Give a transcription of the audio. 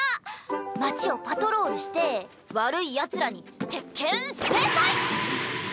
街をパトロールして悪いヤツらに鉄拳制裁！